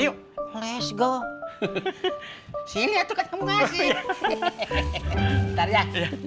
yuk let's go hahaha sini aku kasih ntar ya